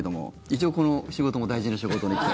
一応、この仕事も大事な仕事の１個。